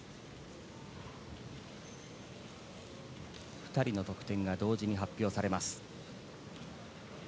２人の得点が同時に発表されます。